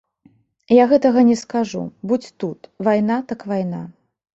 Я гэтага не скажу, будзь тут, вайна так вайна.